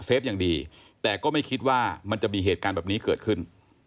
อย่างดีแต่ก็ไม่คิดว่ามันจะมีเหตุการณ์แบบนี้เกิดขึ้น